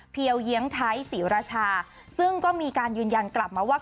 เยียงไทยศรีราชาซึ่งก็มีการยืนยันกลับมาว่า